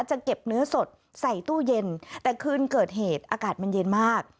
จะเก็บเนื้อสดใส่ตู้เย็นแต่คืนเกิดเหตุอากาศมันเย็นมาก